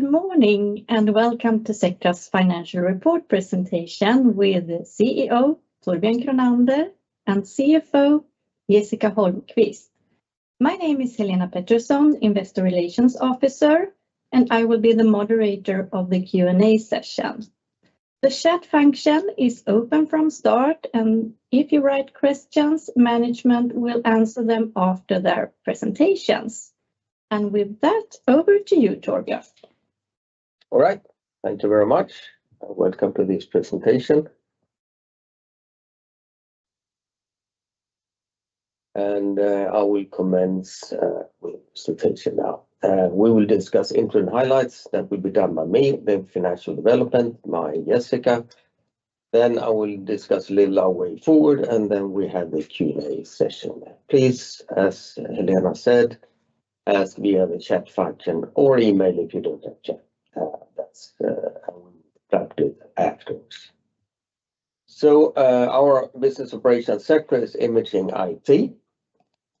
Good morning and welcome to Sectra's financial report presentation with CEO Torbjörn Kronander and CFO Jessica Holmquist. My name is Helena Pettersson, Investor Relations Officer, and I will be the moderator of the Q&A session. The chat function is open from start, and if you write questions, management will answer them after their presentations. And with that, over to you, Torbjörn. All right, thank you very much. Welcome to this presentation. And I will commence the presentation now. We will discuss interim highlights that will be done by me, then financial development by Jessica. Then I will discuss a little our way forward, and then we have the Q&A session. Please, as Helena said, ask via the chat function or email if you don't have chat. That's how we will track it afterwards. So our business operations sector is Imaging IT,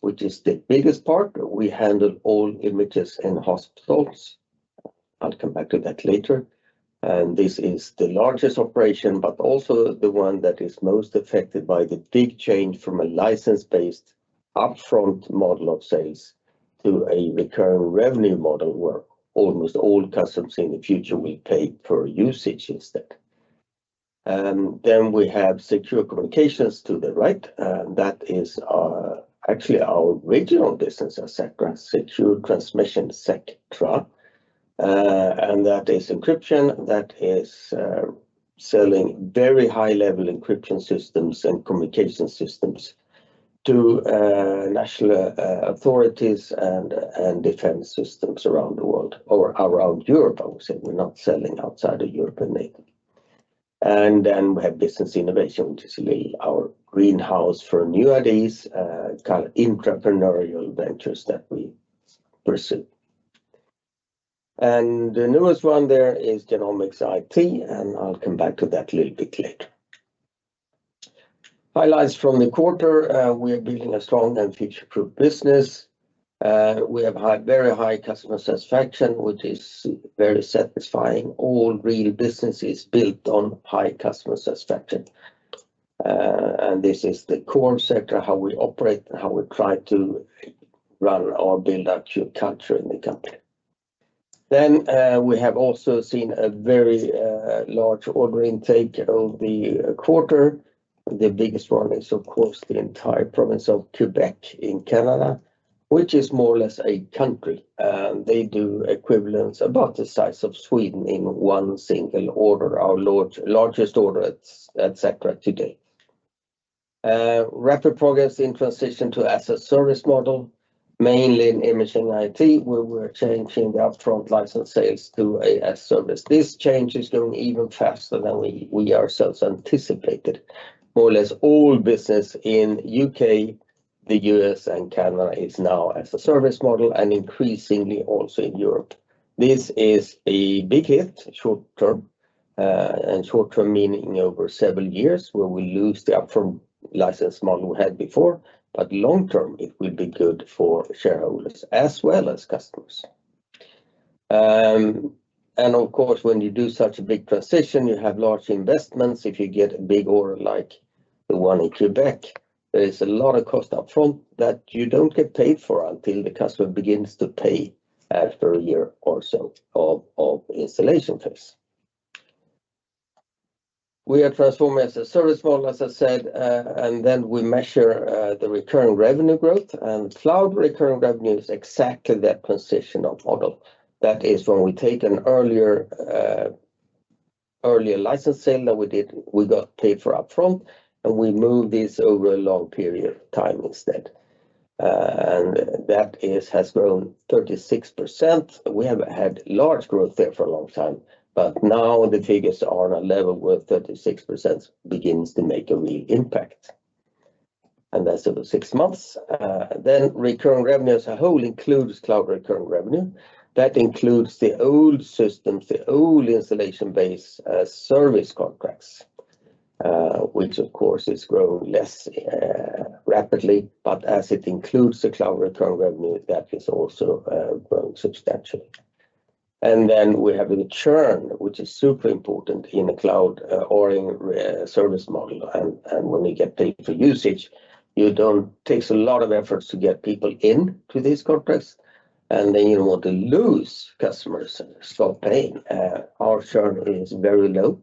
which is the biggest part. We handle all images in hospitals. I'll come back to that later. And this is the largest operation, but also the one that is most affected by the big change from a license-based upfront model of sales to a recurring revenue model where almost all customers in the future will pay for usage instead. Then we have Secure Communications to the right. That is actually our regional business, Sectra Secure Communications. And that is encryption. That is selling very high-level encryption systems and communication systems to national authorities and defense systems around the world or around Europe, I would say. We're not selling outside of Europe and NATO. And then we have Business Innovation, which is really our greenhouse for new ideas, kind of intrapreneurial ventures that we pursue. And the newest one there is Genomics IT, and I'll come back to that a little bit later. Highlights from the quarter. We are building a strong and future-proof business. We have very high customer satisfaction, which is very satisfying. All real business is built on high customer satisfaction. And this is the core sector, how we operate, how we try to run or build our culture in the company. Then we have also seen a very large order intake of the quarter. The biggest one is, of course, the entire province of Quebec in Canada, which is more or less a country. They do equivalents about the size of Sweden in one single order, our largest order at Sectra today. Rapid progress in transition to as-a-service model, mainly in Imaging IT, where we're changing the upfront license sales to a service-based change. This change is going even faster than we ourselves anticipated. More or less all business in the U.K., the U.S., and Canada is now as a service model and increasingly also in Europe. This is a big hit short-term and short-term meaning over several years where we lose the upfront license model we had before. But long-term, it will be good for shareholders as well as customers. Of course, when you do such a big transition, you have large investments. If you get a big order like the one in Quebec, there is a lot of cost upfront that you don't get paid for until the customer begins to pay after a year or so of installation phase. We are transforming as a service model, as I said, and then we measure the recurring revenue growth and Cloud Recurring Revenue is exactly that transition of model. That is when we take an earlier license sale that we did, we got paid for upfront, and we move this over a long period of time instead. And that has grown 36%. We have had large growth there for a long time, but now the figures are on a level where 36% begins to make a real impact. That's over six months. Recurring revenue as a whole includes Cloud Recurring Revenue. That includes the old systems, the old installation-based service contracts, which of course is growing less rapidly, but as it includes the Cloud Recurring Revenue, that is also growing substantially. We have the churn, which is super important in a cloud or in a service model. When you get paid for usage, it takes a lot of effort to get people into these contracts, and then you don't want to lose customers and stop paying. Our churn is very low,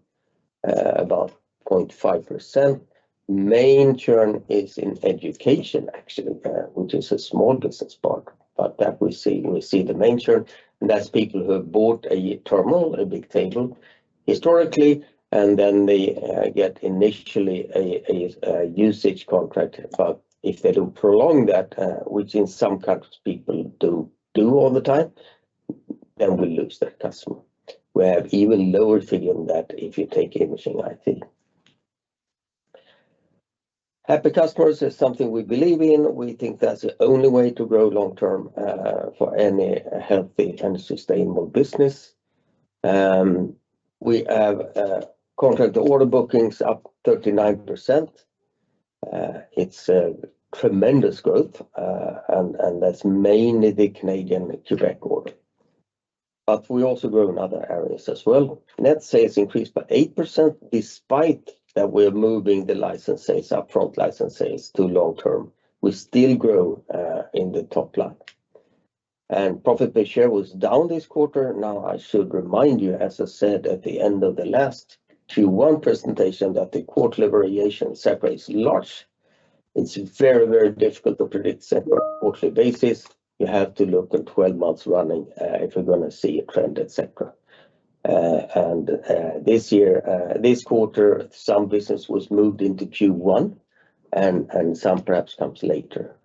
about 0.5%. Main churn is in education, actually, which is a small business part, but that we see the main churn. That's people who have bought a terminal, a big table historically, and then they get initially a usage contract. But if they don't prolong that, which in some countries people do all the time, then we lose that customer. We have even lower figure than that if you take Imaging IT. Happy customers is something we believe in. We think that's the only way to grow long-term for any healthy and sustainable business. We have contract order bookings up 39%. It's a tremendous growth, and that's mainly the Canadian and Quebec order. But we also grow in other areas as well. Net sales increased by 8% despite that we're moving the license sales upfront, license sales to long-term. We still grow in the top line. And profit per share was down this quarter. Now, I should remind you, as I said at the end of the last Q1 presentation, that the quarterly variations are large. It's very, very difficult to predict on a quarterly basis. You have to look at 12 months running if you're going to see a trend, etc., and this year, this quarter, some business was moved into Q1, and some perhaps comes later,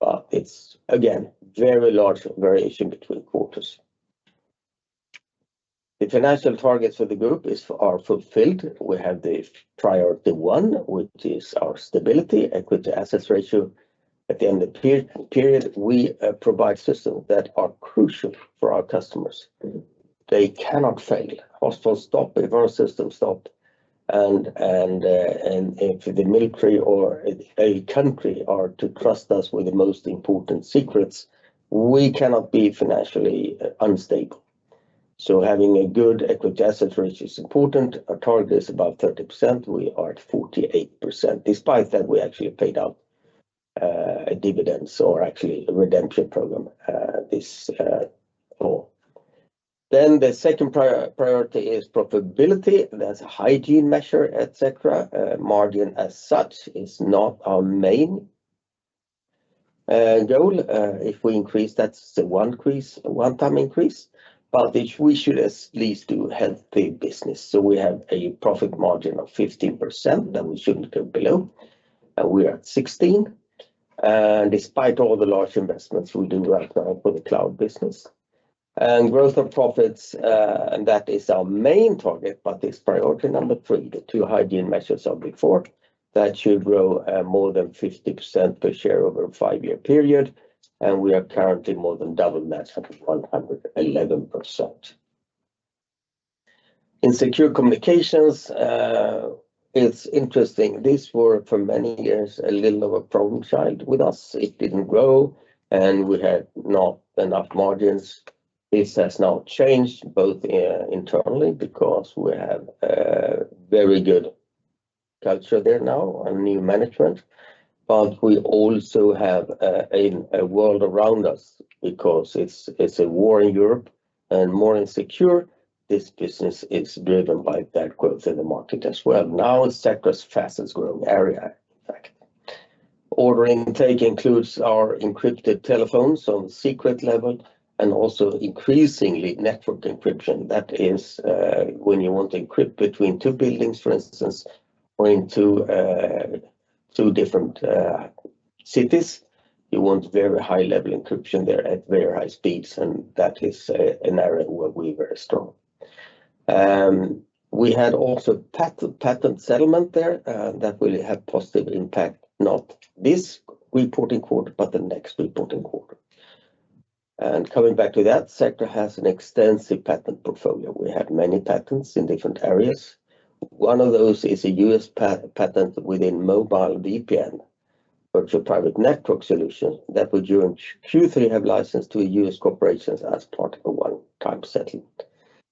but it's, again, very large variation between quarters. The financial targets for the group are fulfilled. We have the priority one, which is our stability, equity/assets ratio. At the end of the period, we provide systems that are crucial for our customers. They cannot fail. Hospitals stop if our systems stop, and if the military or a country are to trust us with the most important secrets, we cannot be financially unstable, so having a good equity/assets ratio is important. Our target is about 30%. We are at 48%. Despite that, we actually paid out dividends or actually a redemption program this fall, then the second priority is profitability. That's a hygiene measure, etc. Margin as such is not our main goal. If we increase, that's a one-time increase, but we should at least do healthy business, so we have a profit margin of 15% that we shouldn't go below. We are at 16%. Despite all the large investments, we do well for the cloud business, and growth of profits, that is our main target, but it's priority number three, the two hygiene measures of before. That should grow more than 50% per share over a five-year period, and we are currently more than double that at 111%. In secure communications, it's interesting. This was for many years a little of a problem child with us. It didn't grow, and we had not enough margins. This has now changed both internally because we have a very good culture there now and new management. But we also have a world around us because it's a war in Europe and more insecure. This business is driven by that growth in the market as well. Now, Sectra's fastest growing area, in fact. Order intake includes our encrypted telephones on the secret level and also increasingly network encryption. That is when you want to encrypt between two buildings, for instance, or into two different cities. You want very high-level encryption there at very high speeds, and that is an area where we are very strong. We had also patent settlement there that will have a positive impact, not this reporting quarter, but the next reporting quarter. And coming back to that, Sectra has an extensive patent portfolio. We have many patents in different areas. One of those is a U.S. patent within mobile VPN, virtual private network solution that we during Q3 have licensed to U.S. corporations as part of a one-time settlement.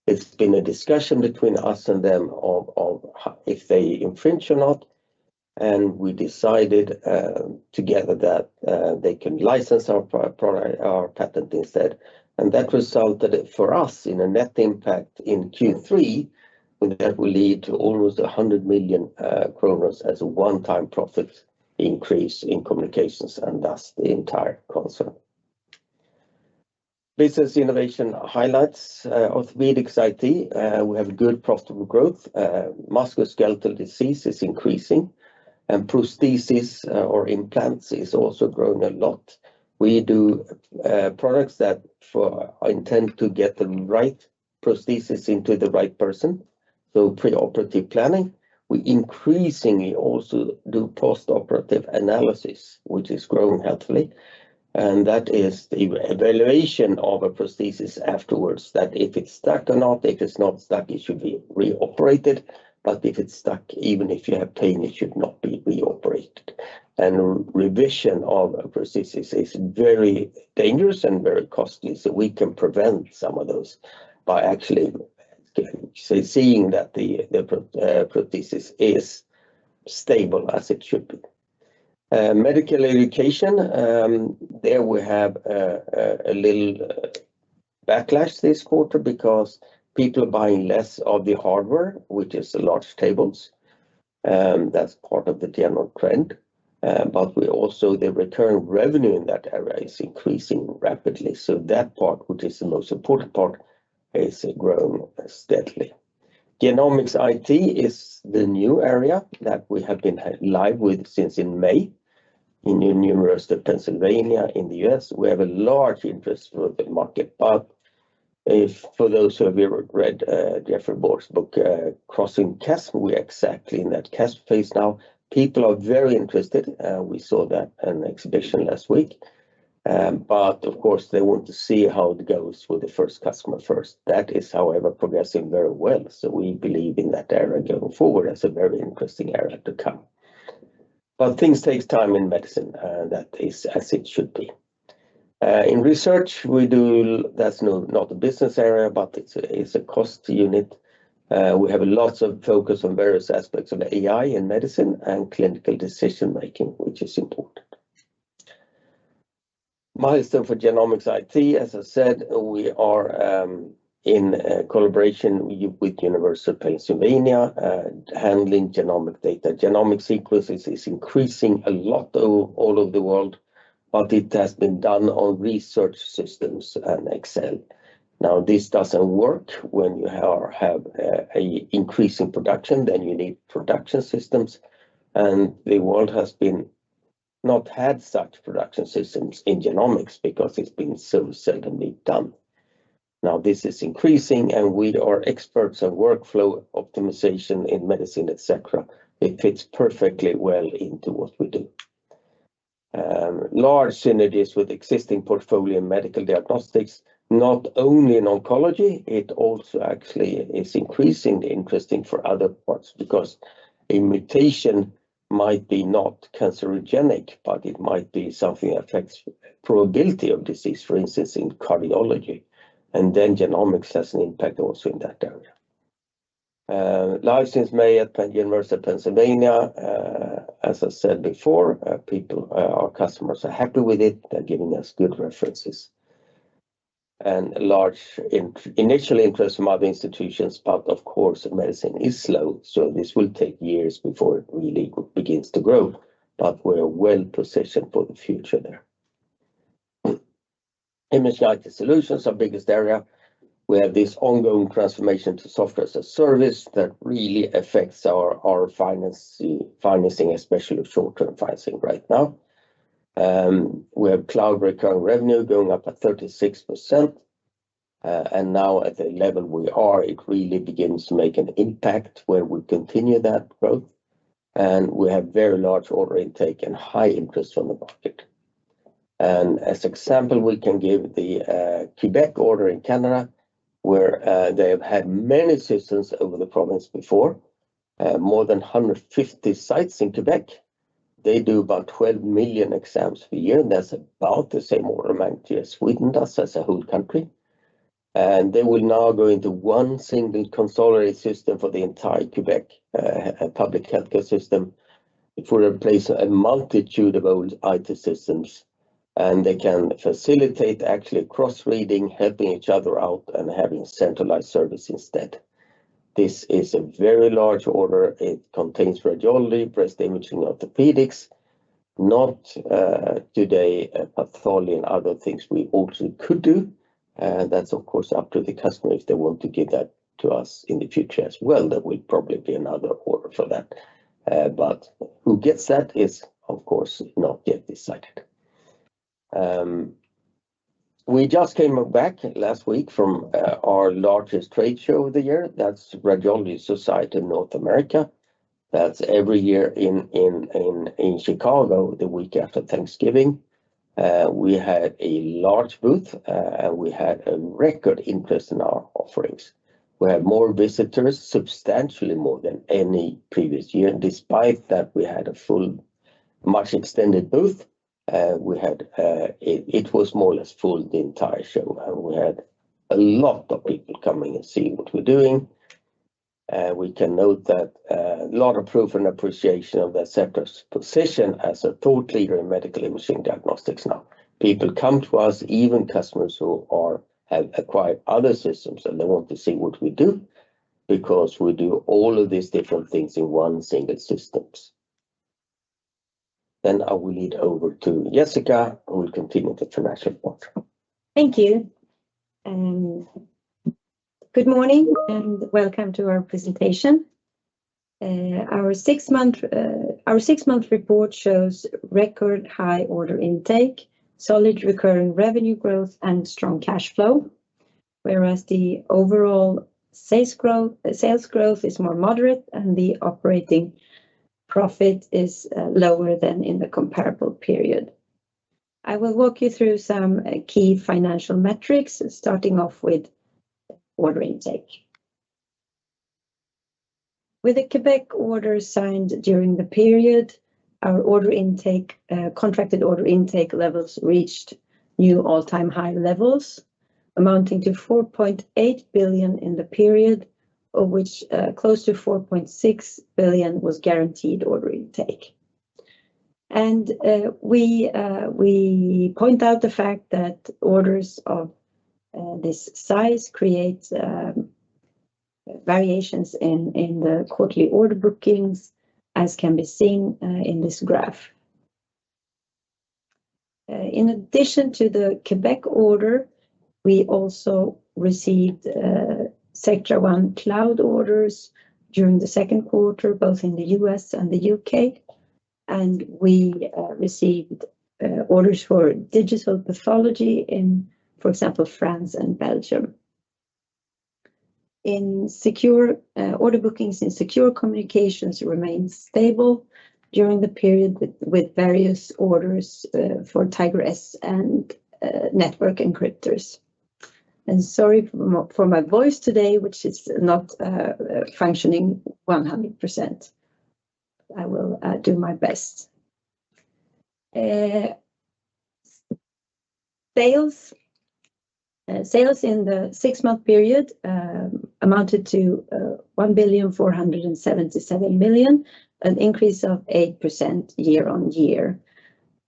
It's been a discussion between us and them of if they infringe or not, and we decided together that they can license our patent instead, and that resulted for us in a net impact in Q3 that will lead to almost 100 million as a one-time profit increase in communications and thus the entire concern. Business Innovation highlights Orthopaedics IT. We have good profitable growth. Musculoskeletal disease is increasing, and prosthesis or implants is also growing a lot. We do products that intend to get the right prosthesis into the right person. So pre-operative planning, we increasingly also do post-operative analysis, which is growing healthily. And that is the evaluation of a prosthesis afterwards, that if it's stuck or not, if it's not stuck, it should be re-operated. But if it's stuck, even if you have pain, it should not be re-operated. And revision of a prosthesis is very dangerous and very costly. So we can prevent some of those by actually seeing that the prosthesis is stable as it should be. Medical Education, there we have a little backlash this quarter because people are buying less of the hardware, which is the large tables. That's part of the general trend. But we also, the recurring revenue in that area is increasing rapidly. So that part, which is the most important part, is growing steadily. Genomics IT is the new area that we have been live with since in May in University of Pennsylvania in the U.S. We have a large interest for the market. But for those who have read Geoffrey Moore's book, Crossing the Chasm, we are exactly in that chasm phase now. People are very interested. We saw that in an exhibition last week. But of course, they want to see how it goes with the first customer first. That is, however, progressing very well. So we believe in that area going forward as a very interesting area to come. But things take time in medicine. That is as it should be. In research, we do, that's not a business area, but it's a cost unit. We have lots of focus on various aspects of AI in medicine and clinical decision-making, which is important. Milestone for Genomics IT, as I said, we are in collaboration with University of Pennsylvania handling genomic data. Genomic sequences is increasing a lot all over the world, but it has been done on research systems and Excel. Now, this doesn't work when you have an increasing production, then you need production systems. And the world has not had such production systems in genomics because it's been so seldomly done. Now, this is increasing, and we are experts on workflow optimization in medicine, etc. It fits perfectly well into what we do. Large synergies with existing portfolio in medical diagnostics, not only in oncology, it also actually is increasingly interesting for other parts because a mutation might be not carcinogenic, but it might be something that affects the probability of disease, for instance, in cardiology. And then genomics has an impact also in that area. License made at University of Pennsylvania. As I said before, our customers are happy with it. They're giving us good references. And large initial interest from other institutions, but of course, medicine is slow. This will take years before it really begins to grow. But we're well positioned for the future there. Imaging IT Solutions are the biggest area. We have this ongoing transformation to software as a service that really affects our financing, especially short-term financing right now. We have Cloud Recurring Revenue going up at 36%. And now at the level we are, it really begins to make an impact where we continue that growth. And we have very large order intake and high interest from the market. And as an example, we can give the Quebec order in Canada, where they have had many systems over the province before, more than 150 sites in Quebec. They do about 12 million exams per year. That's about the same order amount Sweden does as a whole country. They will now go into one single consolidated system for the entire Quebec public healthcare system for a place of a multitude of old IT systems. They can facilitate actually cross-reading, helping each other out, and having centralized service instead. This is a very large order. It contains radiology, breast imaging, orthopedics, not today pathology and other things we also could do. That's of course up to the customer if they want to give that to us in the future as well. There will probably be another order for that. Who gets that is of course not yet decided. We just came back last week from our largest trade show of the year. That's Radiological Society of North America. That's every year in Chicago, the week after Thanksgiving. We had a large booth, and we had a record interest in our offerings. We have more visitors, substantially more than any previous year. Despite that, we had a full, much extended booth. It was more or less full the entire show. We had a lot of people coming and seeing what we're doing. We can note that a lot of proof and appreciation of Sectra's position as a thought leader in medical imaging diagnostics now. People come to us, even customers who have acquired other systems, and they want to see what we do because we do all of these different things in one single systems. Then I will lead over to Jessica, who will continue the financial part. Thank you. Good morning and welcome to our presentation. Our six-month report shows record high order intake, solid recurring revenue growth, and strong cash flow, whereas the overall sales growth is more moderate and the operating profit is lower than in the comparable period. I will walk you through some key financial metrics, starting off with order intake. With the Quebec order signed during the period, our contracted order intake levels reached new all-time high levels, amounting to 4.8 billion in the period, of which close to 4.6 billion was guaranteed order intake, and we point out the fact that orders of this size create variations in the quarterly order bookings, as can be seen in this graph. In addition to the Quebec order, we also received Sectra One Cloud orders during the second quarter, both in the U.S. and the U.K., and we received orders for digital pathology in, for example, France and Belgium. Secure order bookings in Secure Communications remained stable during the period with various orders for Tiger/S and network encryptors. And sorry for my voice today, which is not functioning 100%. I will do my best. Sales. Sales in the six-month period amounted to 1,477 million, an increase of 8% year on year.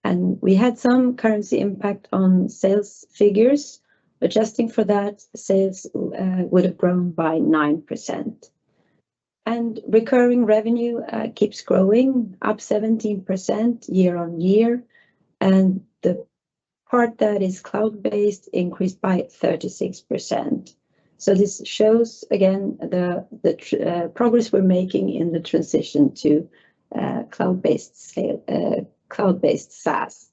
And we had some currency impact on sales figures. Adjusting for that, sales would have grown by 9%. And recurring revenue keeps growing, up 17% year on year. And the part that is cloud-based increased by 36%. So this shows, again, the progress we're making in the transition to cloud-based SaaS.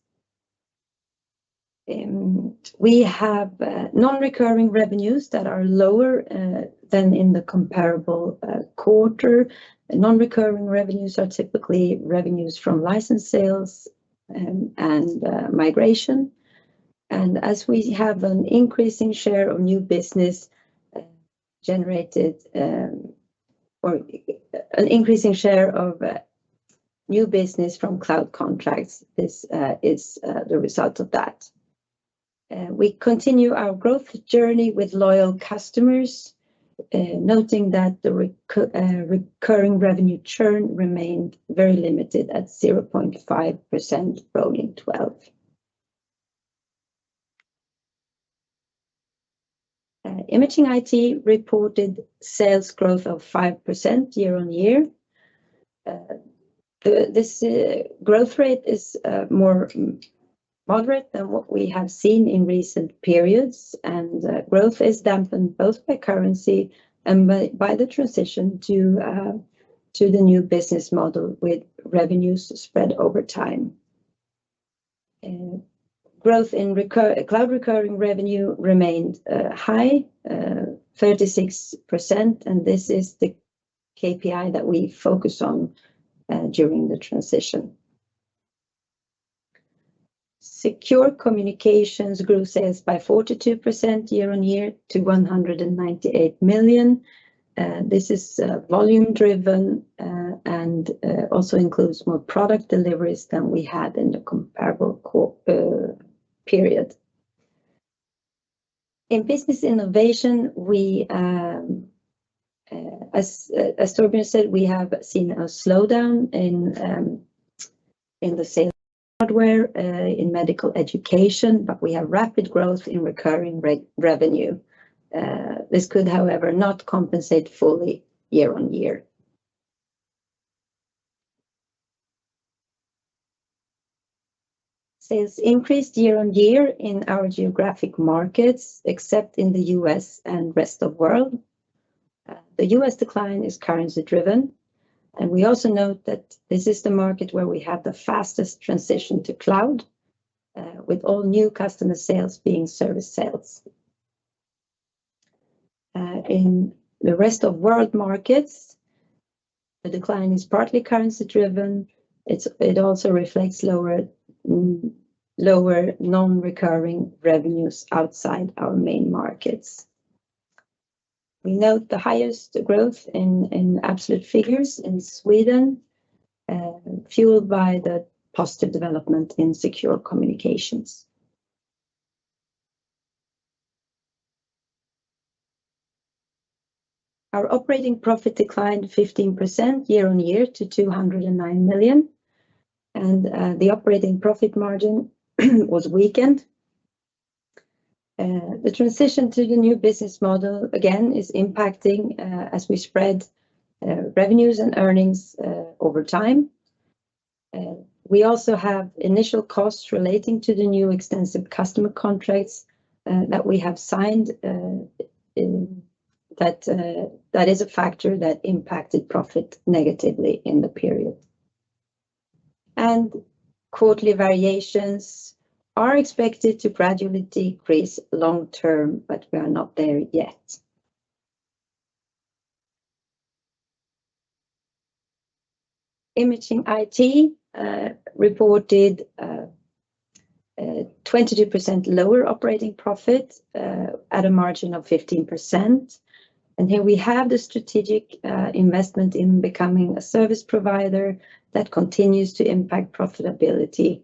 We have non-recurring revenues that are lower than in the comparable quarter. Non-recurring revenues are typically revenues from license sales and migration. And as we have an increasing share of new business generated or an increasing share of new business from cloud contracts, this is the result of that. We continue our growth journey with loyal customers, noting that the recurring revenue churn remained very limited at 0.5% rolling 12. Imaging IT reported sales growth of 5% year-on-year. This growth rate is more moderate than what we have seen in recent periods. And growth is dampened both by currency and by the transition to the new business model with revenues spread over time. Growth in Cloud Recurring Revenue remained high, 36%. And this is the KPI that we focus on during the transition. Secure communications grew sales by 42% year-on-year to 198 million. This is volume-driven and also includes more product deliveries than we had in the comparable period. In Business Innovation, as Torbjörn said, we have seen a slowdown in hardware sales in medical education, but we have rapid growth in recurring revenue. This could, however, not compensate fully year on year. Sales increased year on year in our geographic markets, except in the U.S. and rest of the world. The U.S. decline is currency-driven, and we also note that this is the market where we have the fastest transition to cloud, with all new customer sales being service sales. In the rest of world markets, the decline is partly currency-driven. It also reflects lower non-recurring revenues outside our main markets. We note the highest growth in absolute figures in Sweden, fueled by the positive development in Secure Communications. Our operating profit declined 15% year-on-year to 209 million, and the operating profit margin was weakened. The transition to the new business model, again, is impacting as we spread revenues and earnings over time. We also have initial costs relating to the new extensive customer contracts that we have signed that is a factor that impacted profit negatively in the period, and quarterly variations are expected to gradually decrease long term, but we are not there yet. Imaging IT reported 22% lower operating profit at a margin of 15%, and here we have the strategic investment in becoming a service provider that continues to impact profitability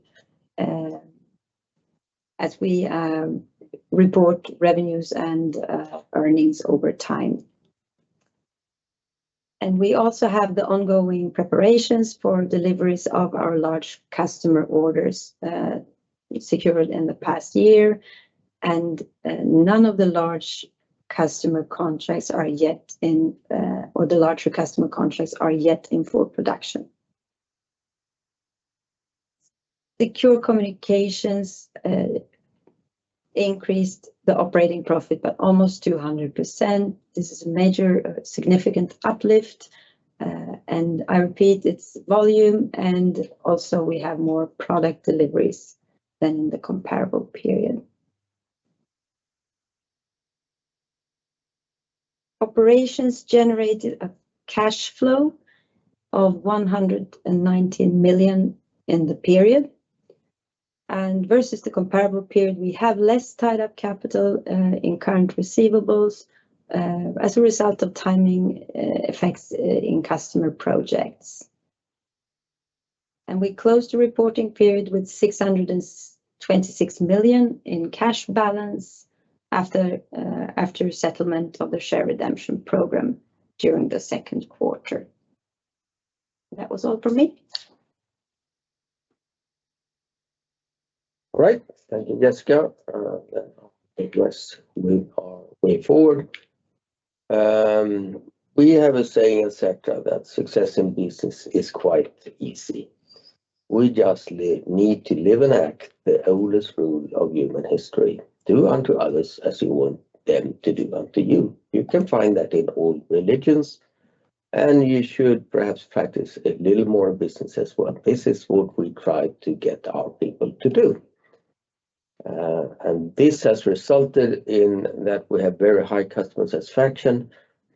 as we report revenues and earnings over time, and we also have the ongoing preparations for deliveries of our large customer orders secured in the past year, and none of the large customer contracts are yet in, or the larger customer contracts are yet in full production. Secure communications increased the operating profit by almost 200%. This is a major significant uplift. I repeat, it's volume. We also have more product deliveries than in the comparable period. Operations generated a cash flow of 119 million in the period. Versus the comparable period, we have less tied-up capital in current receivables as a result of timing effects in customer projects. We closed the reporting period with 626 million in cash balance after settlement of the share redemption program during the second quarter. That was all for me. All right. Thank you, Jessica. I'll take us with our way forward. We have a saying in Sectra that success in business is quite easy. We just need to live and act the oldest rule of human history, do unto others as you want them to do unto you. You can find that in all religions. And you should perhaps practice a little more business as well. This is what we try to get our people to do. And this has resulted in that we have very high customer satisfaction.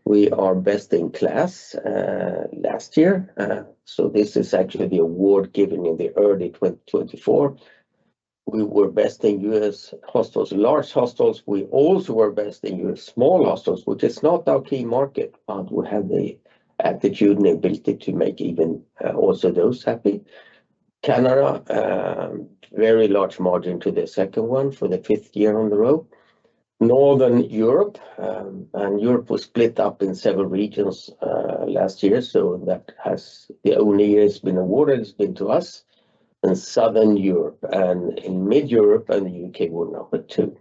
We are best in class last year. So this is actually the award given in the early 2024. We were best in U.S. hospitals, large hospitals. We also were best in U.S. small hospitals, which is not our key market, but we have the aptitude and ability to make even also those happy. Canada, very large margin to the second one for the fifth year in a row. Northern Europe. And Europe was split up in several regions last year. So that has the only year it's been awarded has been to us. And Southern Europe and in Mid-Europe and the U.K. were number two.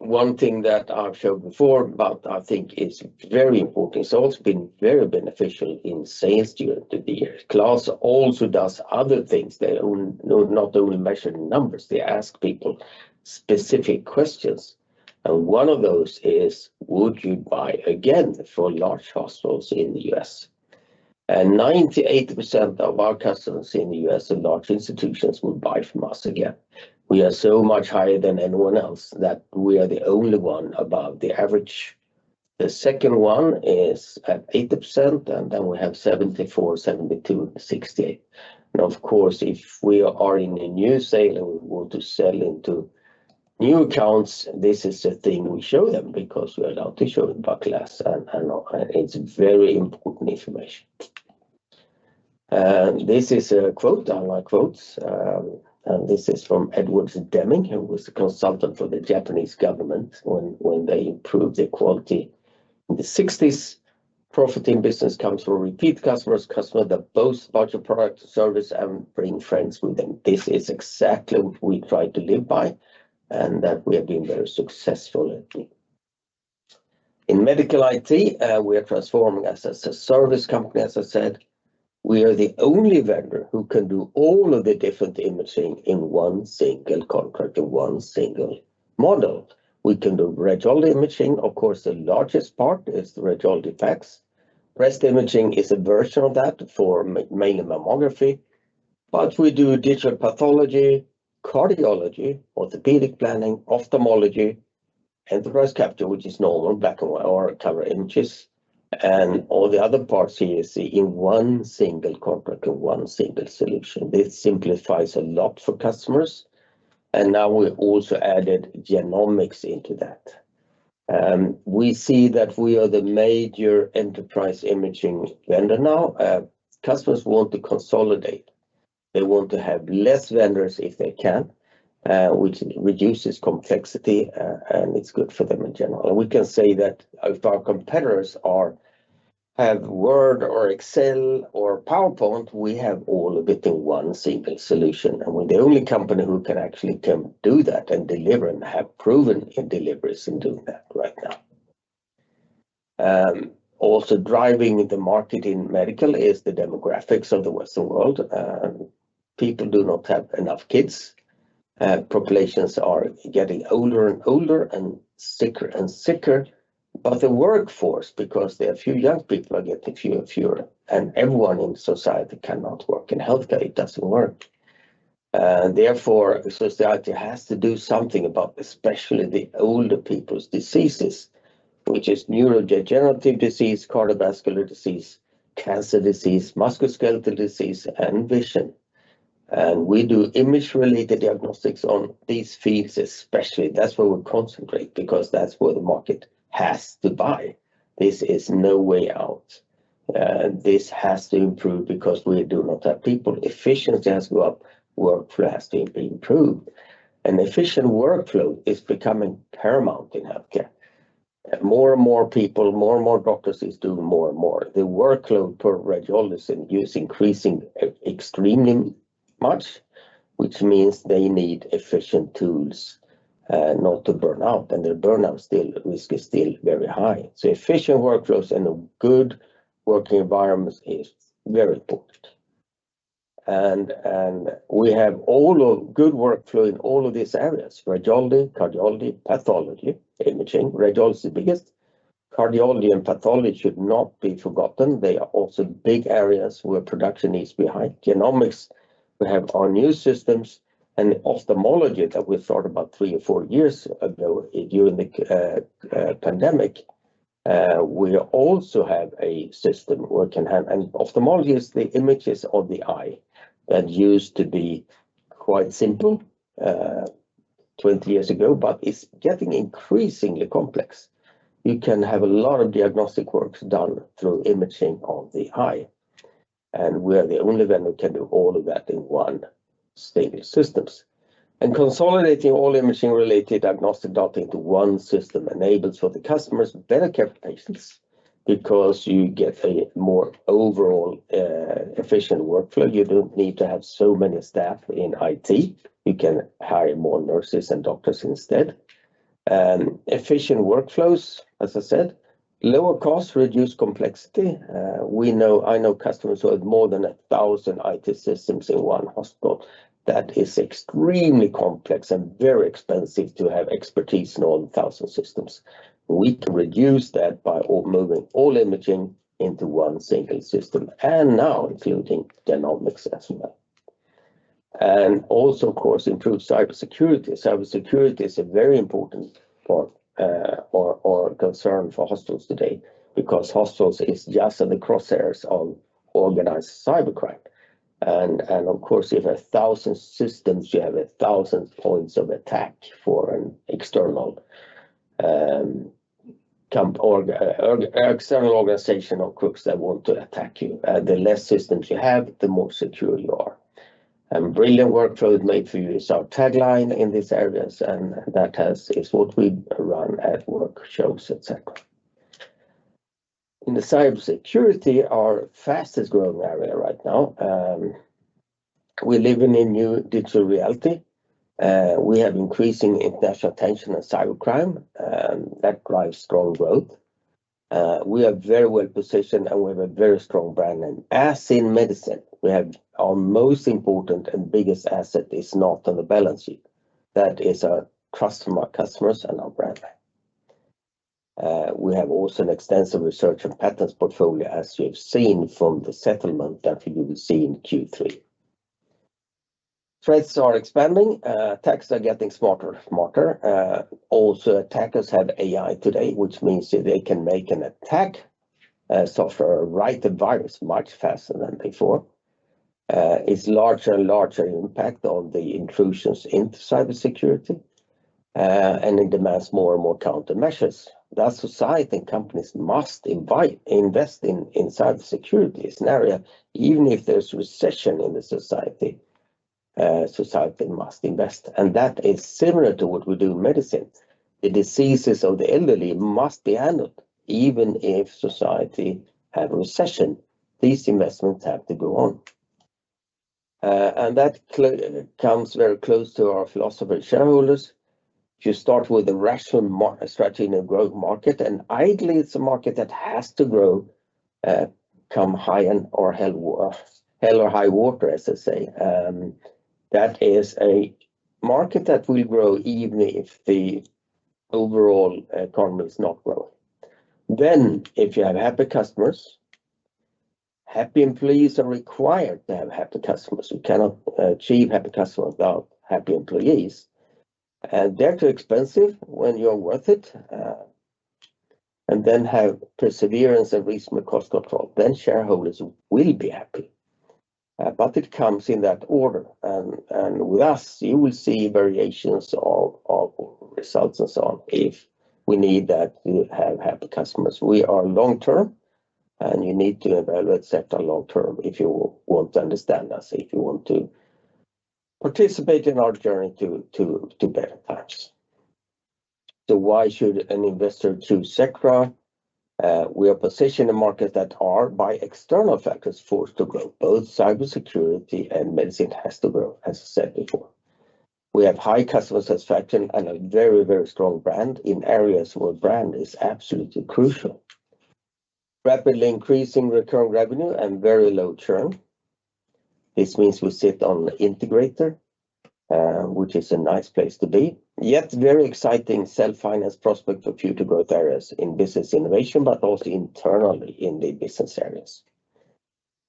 One thing that I've showed before, but I think is very important, it's also been very beneficial in sales during the year. KLAS also does other things. They're not only measuring numbers. They ask people specific questions. And one of those is, would you buy again for large hospitals in the U.S.? And 98% of our customers in the U.S. and large institutions will buy from us again. We are so much higher than anyone else that we are the only one above the average. The second one is at 8%, and then we have 74, 72, 68. And of course, if we are in a new sale and we want to sell into new accounts, this is the thing we show them because we are allowed to show Black Book. And it's very important information. This is a quote, my quotes. This is from W. Edwards Deming, who was a consultant for the Japanese government when they improved their quality in the 1960s. Profit in business comes from repeat customers, customers that boast about your product service and bring friends with them. This is exactly what we try to live by and that we have been very successful at. In medical IT, we are transforming as a service company, as I said. We are the only vendor who can do all of the different imaging in one single contract, in one single model. We can do radiology imaging. Of course, the largest part is the radiology aspects. Breast imaging is a version of that for mainly mammography. But we do digital pathology, cardiology, orthopedic planning, ophthalmology, enterprise capture, which is normal black and white or color images. And all the other parts here you see in one single contract, in one single solution. This simplifies a lot for customers. And now we also added genomics into that. We see that we are the major enterprise imaging vendor now. Customers want to consolidate. They want to have less vendors if they can, which reduces complexity and it's good for them in general. We can say that if our competitors have Word or Excel or PowerPoint, we have all of it in one single solution. And we're the only company who can actually do that and deliver and have proven deliveries and do that right now. Also driving the market in medical is the demographics of the Western world. People do not have enough kids. Populations are getting older and older and sicker and sicker. But the workforce, because there are few young people, are getting fewer and fewer. Everyone in society cannot work in healthcare. It doesn't work. Therefore, society has to do something about especially the older people's diseases, which is neurodegenerative disease, cardiovascular disease, cancer disease, musculoskeletal disease, and vision. We do image-related diagnostics on these fields especially. That's where we concentrate because that's where the market has to buy. This is no way out. This has to improve because we do not have people. Efficiency has to go up. Workflow has to improve. Efficient workflow is becoming paramount in healthcare. More and more people, more and more doctors are doing more and more. The workload for radiologists is increasing extremely much, which means they need efficient tools not to burn out. Their burnout risk is still very high. Efficient workflows and a good working environment is very important. We have all of good workflow in all of these areas: radiology, cardiology, pathology, imaging. Radiology is the biggest. Cardiology and pathology should not be forgotten. They are also big areas where production is behind. Genomics, we have our new systems. Ophthalmology that we thought about three or four years ago during the pandemic, we also have a system working hand. Ophthalmology is the images of the eye that used to be quite simple 20 years ago, but it's getting increasingly complex. You can have a lot of diagnostic work done through imaging of the eye. We are the only vendor who can do all of that in one single system. Consolidating all imaging-related diagnostic data into one system enables for the customers better care for patients because you get a more overall efficient workflow. You don't need to have so many staff in IT. You can hire more nurses and doctors instead. Efficient workflows, as I said, lower costs, reduce complexity. I know customers who have more than 1,000 IT systems in one hospital. That is extremely complex and very expensive to have expertise in all 1,000 systems. We can reduce that by moving all imaging into one single system. And now including genomics as well. And also, of course, improved cybersecurity. Cybersecurity is a very important part or concern for hospitals today because hospitals are just at the crosshairs of organized cybercrime. And of course, you have 1,000 systems, you have 1,000 points of attack for an external organization or crooks that want to attack you. The less systems you have, the more secure you are. And brilliant workflow is made for you is our tagline in these areas. And that is what we run at workshops, etc. In the cybersecurity, our fastest growing area right now, we're living in new digital reality. We have increasing international attention on cybercrime. That drives strong growth. We are very well positioned and we have a very strong brand, and as in medicine, our most important and biggest asset is not on the balance sheet. That is our trust from our customers and our brand. We have also an extensive research and patents portfolio, as you've seen from the settlement that you will see in Q3. Threats are expanding. Attacks are getting smarter and smarter. Also, attackers have AI today, which means they can make an attack software write a virus much faster than before. It's larger and larger impact on the intrusions into cybersecurity, and it demands more and more countermeasures. That's society and companies must invest in cybersecurity. It's an area, even if there's recession in the society, society must invest, and that is similar to what we do in medicine. The diseases of the elderly must be handled. Even if society has a recession, these investments have to go on, and that comes very close to our philosophy of shareholders. You start with a rational strategy in a growth market, and ideally, it's a market that has to grow, come high and or hell or high water, as I say. That is a market that will grow even if the overall economy is not growing, then if you have happy customers, happy employees are required to have happy customers. You cannot achieve happy customers without happy employees, and they're too expensive when you're worth it, and then have perseverance and reasonable cost control, then shareholders will be happy, but it comes in that order. With us, you will see variations of results and so on if we need that to have happy customers. We are long-term. You need to evaluate Sectra long-term if you want to understand us, if you want to participate in our journey to better times. Why should an investor choose Sectra? We are positioned in markets that are, by external factors, forced to grow. Both cybersecurity and medicine has to grow, as I said before. We have high customer satisfaction and a very, very strong brand in areas where brand is absolutely crucial. Rapidly increasing recurring revenue and very low churn. This means we sit on the integrator, which is a nice place to be. Yet very exciting self-finance prospect for future growth areas in business innovation, but also internally in the business areas.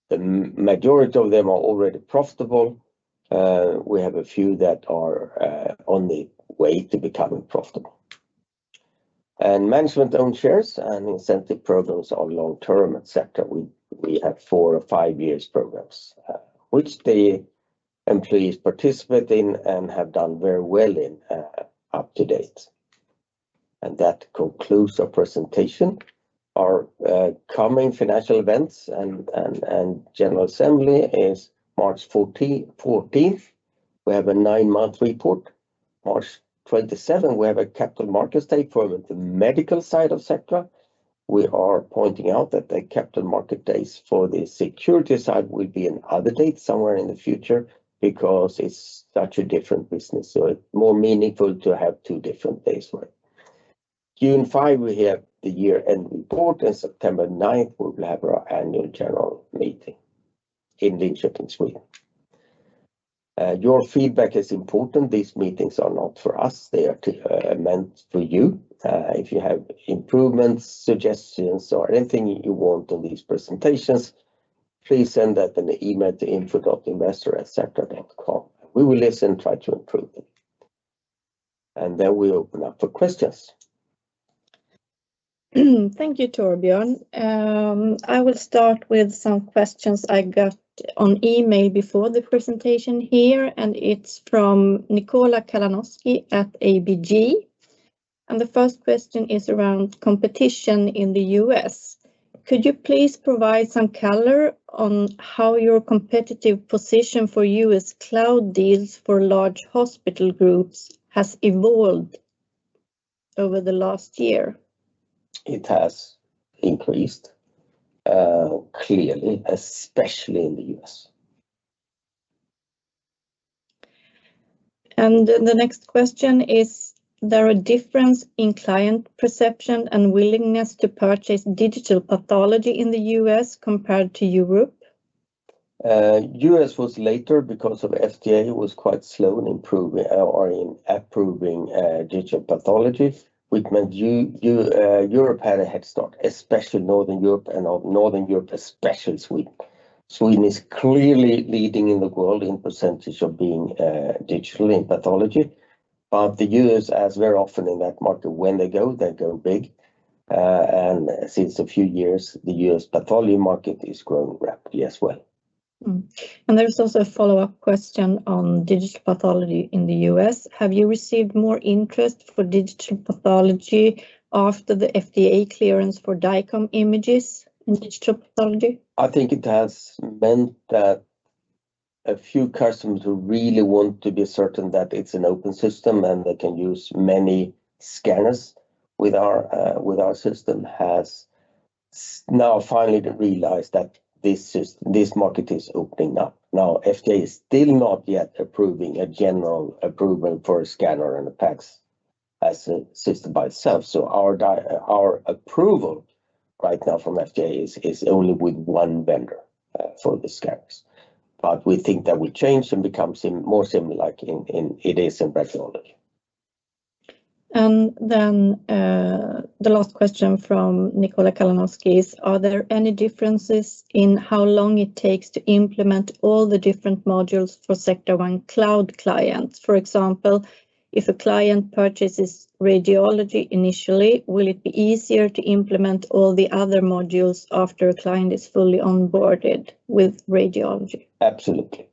The majority of them are already profitable. We have a few that are on the way to becoming profitable, and management-owned shares and incentive programs are long-term, etc. We have four or five years programs, which the employees participate in and have done very well in to date, and that concludes our presentation. Our coming financial events and general assembly is March 14th. We have a nine-month report. March 27th, we have a capital markets day for the medical side of Sectra. We are pointing out that the capital market days for the security side will be another date somewhere in the future because it is such a different business, so it is more meaningful to have two different days for it. June 5th, we have the year-end report, and September 9th, we will have our annual general meeting in Linköping in Sweden. Your feedback is important. These meetings are not for us. They are meant for you. If you have improvements, suggestions, or anything you want on these presentations, please send that in an email to info.investor@sectra.com. We will listen and try to improve it. And then we open up for questions. Thank you, Torbjörn. I will start with some questions I got on email before the presentation here. And it's from Nikola Kalanoski at ABG. And the first question is around competition in the U.S. Could you please provide some color on how your competitive position for U.S. cloud deals for large hospital groups has evolved over the last year? It has increased, clearly, especially in the U.S. And the next question is, there are differences in client perception and willingness to purchase digital pathology in the U.S. compared to Europe? U.S. was later because of FDA was quite slow in improving or in approving digital pathology, which meant Europe had a head start, especially Northern Europe and Northern Europe, especially Sweden. Sweden is clearly leading in the world in percentage of being digital in pathology. But the U.S., as very often in that market, when they go, they're going big. And since a few years, the U.S. pathology market is growing rapidly as well. And there's also a follow-up question on digital pathology in the U.S. Have you received more interest for digital pathology after the FDA clearance for DICOM images in digital pathology? I think it has meant that a few customers who really want to be certain that it's an open system and they can use many scanners with our system has now finally realized that this market is opening up. Now, FDA is still not yet approving a general approval for a scanner and a PACS as a system by itself. So our approval right now from FDA is only with one vendor for the scanners. But we think that will change and become more similar like it is in radiology. And then the last question from Nikola Kalanoski is, are there any differences in how long it takes to implement all the different modules for Sectra One Cloud clients? For example, if a client purchases radiology initially, will it be easier to implement all the other modules after a client is fully onboarded with radiology? Absolutely.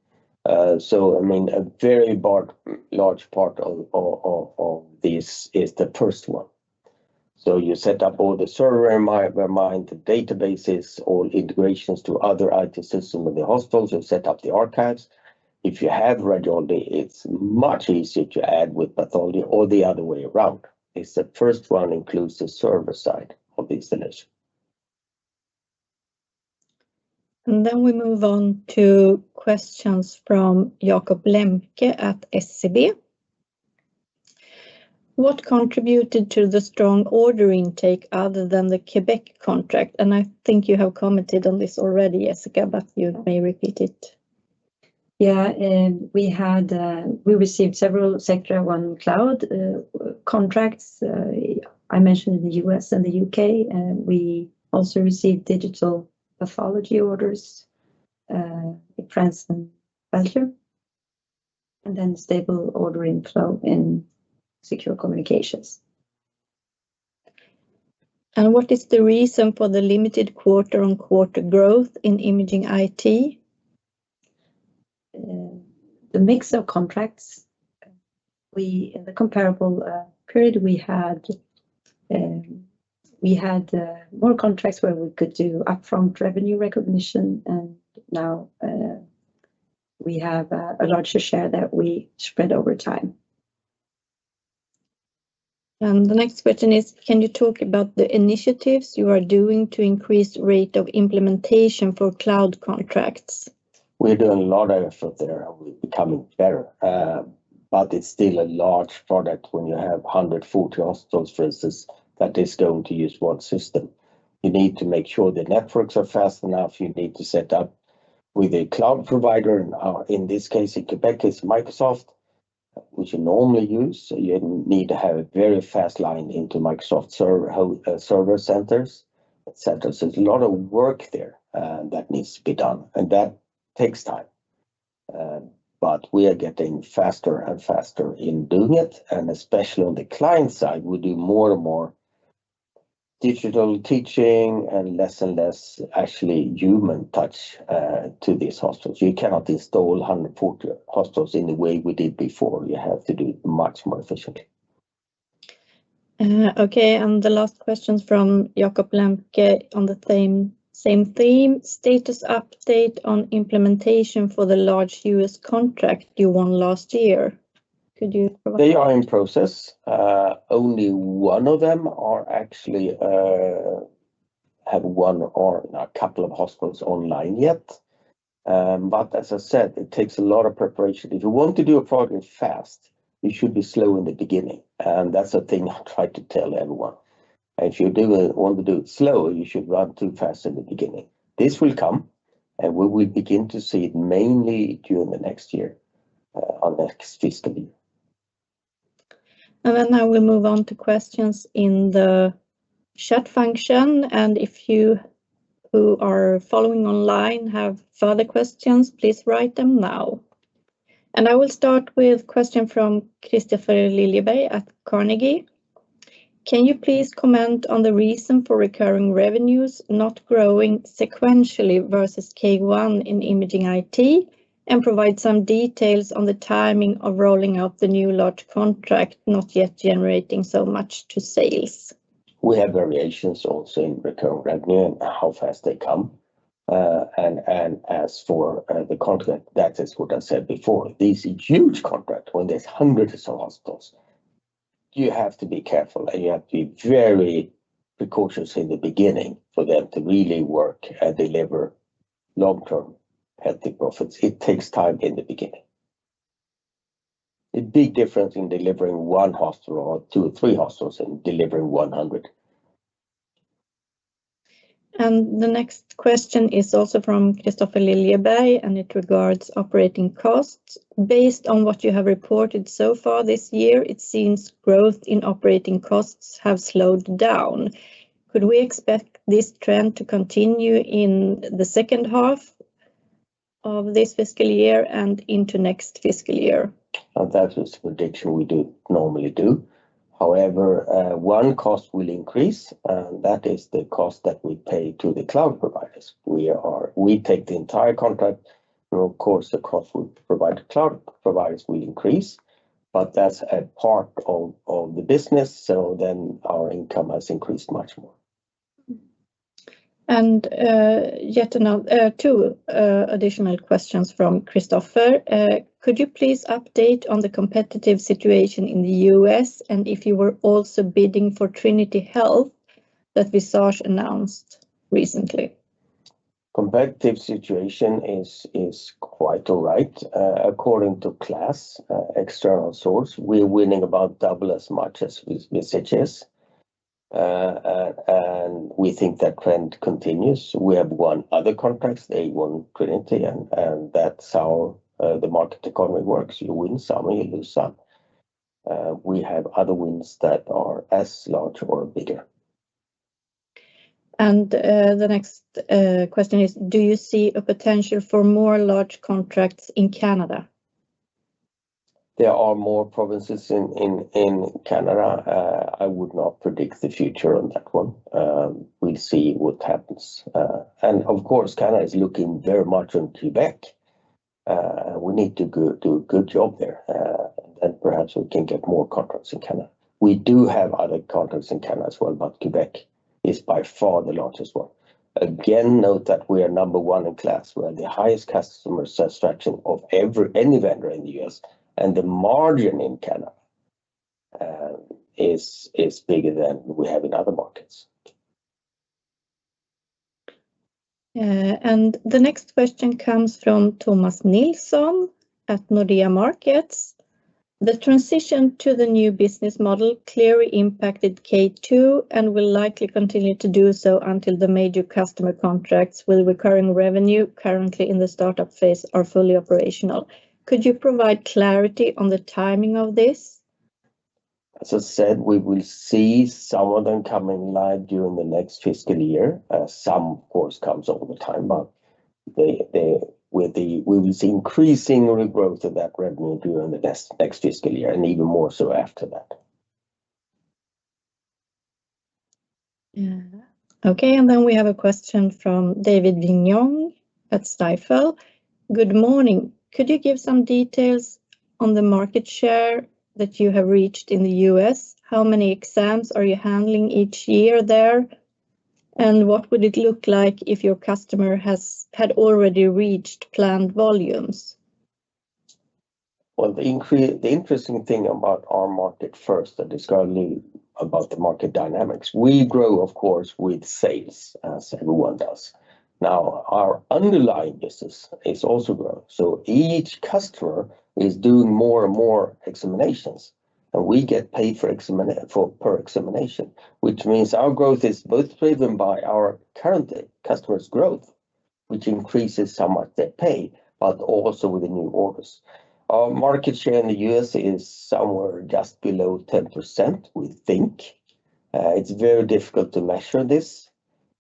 So, I mean, a very large part of this is the first one. So you set up all the server environment, the databases, all integrations to other IT systems in the hospitals. You set up the archives. If you have radiology, it's much easier to add with pathology or the other way around. It's the first one that includes the server side of the installation. And then we move on to questions from Jakob Lemke at SEB. What contributed to the strong order intake other than the Quebec contract? And I think you have commented on this already, Jessica, but you may repeat it. Yeah, we received several Sectra One Cloud contracts. I mentioned in the U.S. and the U.K. We also received digital pathology orders in France and Belgium. And then stable ordering flow in Secure Communications. And what is the reason for the limited quarter-on-quarter growth in imaging IT? The mix of contracts. In the comparable period, we had more contracts where we could do upfront revenue recognition. And now we have a larger share that we spread over time. And the next question is, can you talk about the initiatives you are doing to increase the rate of implementation for cloud contracts? We're doing a lot of effort there. We're becoming better. But it's still a large product when you have 140 hospitals, for instance, that is going to use one system. You need to make sure the networks are fast enough. You need to set up with a cloud provider. In this case, in Quebec, it's Microsoft, which you normally use. So you need to have a very fast line into Microsoft server centers. So there's a lot of work there that needs to be done. And that takes time. But we are getting faster and faster in doing it. And especially on the client side, we do more and more digital teaching and less and less actually human touch to these hospitals. You cannot install 140 hospitals in the way we did before. You have to do it much more efficiently. Okay. And the last question from Jakob Lemke on the same theme. Status update on implementation for the large US contract you won last year. Could you provide? They are in process. Only one of them actually has one or a couple of hospitals online yet. But as I said, it takes a lot of preparation. If you want to do a project fast, you should be slow in the beginning. And that's the thing I try to tell everyone. If you want to do it slow, you should run too fast in the beginning. This will come. And we will begin to see it mainly during the next year, on the next fiscal year. And then I will move on to questions in the chat function. If you who are following online have further questions, please write them now. I will start with a question from Kristofer Liljeberg at Carnegie. Can you please comment on the reason for recurring revenues not growing sequentially versus Q1 in imaging IT and provide some details on the timing of rolling out the new large contract, not yet generating so much to sales? We have variations also in recurring revenue and how fast they come. As for the contract, that is what I said before. These huge contracts, when there's hundreds of hospitals, you have to be careful. You have to be very cautious in the beginning for them to really work and deliver long-term healthy profits. It takes time in the beginning. The big difference in delivering one hospital or two or three hospitals and delivering 100. The next question is also from Kristofer Liljeberg. It regards operating costs. Based on what you have reported so far this year, it seems growth in operating costs has slowed down. Could we expect this trend to continue in the second half of this fiscal year and into next fiscal year? That is the prediction we do normally do. However, one cost will increase. That is the cost that we pay to the cloud providers. We take the entire contract. Of course, the cost we provide to cloud providers will increase. But that's a part of the business. So then our income has increased much more. Yet another two additional questions from Kristofer Liljeberg. Could you please update on the competitive situation in the U.S. and if you were also bidding for Trinity Health that Visage announced recently? Competitive situation is quite all right. According to KLAS, external source, we're winning about double as much as Visage is. And we think that trend continues. We have won other contracts, A1, Trinity. And that's how the market economy works. You win some, you lose some. We have other wins that are as large or bigger. And the next question is, do you see a potential for more large contracts in Canada? There are more provinces in Canada. I would not predict the future on that one. We'll see what happens. And of course, Canada is looking very much on Quebec. We need to do a good job there. Then perhaps we can get more contracts in Canada. We do have other contracts in Canada as well. But Quebec is by far the largest one. Again, note that we are number one in KLAS. We are the highest customer satisfaction of any vendor in the U.S. The margin in Canada is bigger than we have in other markets. The next question comes from Thomas Nilsson at Nordea Markets. The transition to the new business model clearly impacted Q2 and will likely continue to do so until the major customer contracts with recurring revenue currently in the startup phase are fully operational. Could you provide clarity on the timing of this? As I said, we will see some of them coming live during the next fiscal year. Some, of course, comes all the time. But we will see increasing growth of that revenue during the next fiscal year and even more so after that. Okay. We have a question from David Vignon at Stifel. Good morning. Could you give some details on the market share that you have reached in the U.S.? How many exams are you handling each year there? What would it look like if your customer had already reached planned volumes? Well, the interesting thing about our market. First, that is currently about the market dynamics. We grow, of course, with sales, as everyone does. Now, our underlying business is also growing. So each customer is doing more and more examinations. And we get paid for per examination, which means our growth is both driven by our current customer's growth, which increases how much they pay, but also with the new orders. Our market share in the U.S. is somewhere just below 10%, we think. It's very difficult to measure this.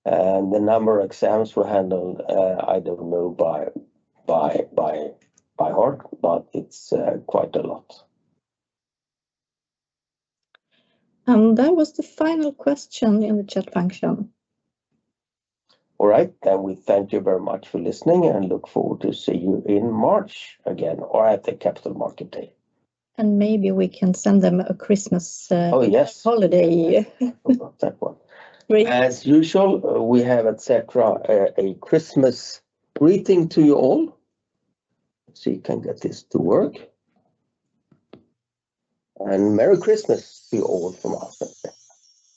And the number of exams we handle, I don't know by heart, but it's quite a lot. And that was the final question in the chat function. All right. Then we thank you very much for listening and look forward to seeing you in March again or at the Capital Market Day. And maybe we can send them a Christmas holiday. Oh, yes. That one. As usual, we have at Sectra a Christmas greeting to you all. Let's see if I can get this to work. And Merry Christmas to you all from us.